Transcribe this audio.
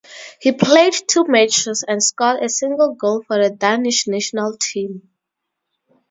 He played two matches and scored a single goal for the Danish national team.